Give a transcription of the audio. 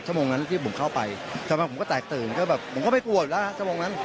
โมงนั้นที่ผมเข้าไปชาวบ้านผมก็แตกตื่นก็แบบผมก็ไม่กลัวอยู่แล้วนะชั่วโมงนั้น